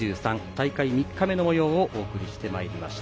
大会３日目のもようをお送りしてまいりました。